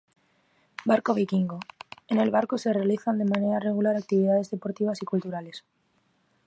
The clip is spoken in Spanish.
Barco vikingo: en el barco se realizan de manera regular actividades deportivas y culturales.